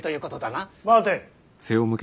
待て。